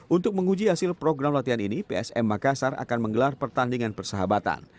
untuk menguji hasil program latihan ini psm makassar akan menggelar pertandingan persahabatan